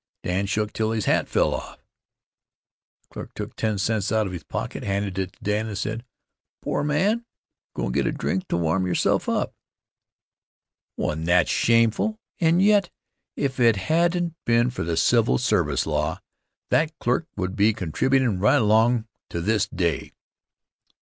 Dan shook till his hat fell off. The clerk took ten cents out of his pocket, handed it to Dan and said: "Poor man! Go and get a drink to warm yourself up." Wasn't that shameful? And yet, if it hadn't been for the civil service law, that clerk would be contributin' right along to this day.